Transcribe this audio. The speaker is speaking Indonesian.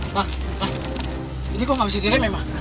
mak mak ini kok nggak bisa dirim ya mak